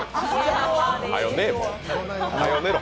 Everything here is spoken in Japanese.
はよ寝ろ。